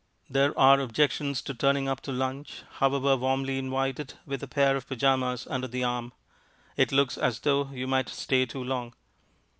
There are objections to turning up to lunch (however warmly invited) with a pair of pyjamas under the arm. It looks as though you might stay too long.